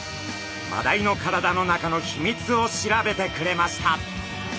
マダイの体の中の秘密を調べてくれました。